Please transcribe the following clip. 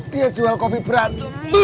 dia jual kopi berat